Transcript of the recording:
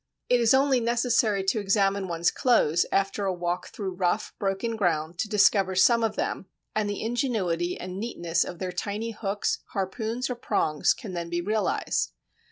It is only necessary to examine one's clothes after a walk through rough, broken ground to discover some of them, and the ingenuity and neatness of their tiny hooks, harpoons, or prongs can then be realized.